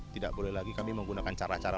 tidak boleh lagi kami menggunakan cara cara